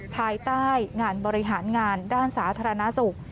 ภายใต้งานบริหารงานด้านสาธารณสุข